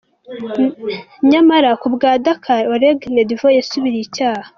Nyamara ku bwa Dakar, "Oleg Neydanov yasubiriye icyaha".